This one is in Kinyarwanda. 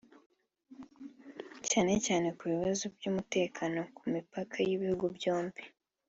cyane cyane ku bibazo by’umutekano ku mipaka y’ibihugu byombi